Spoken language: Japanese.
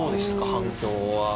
反響は。